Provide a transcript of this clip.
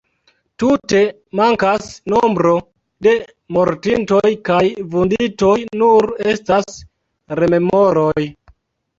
Tute mankas nombro de mortintoj kaj vunditoj, nur estas rememoroj.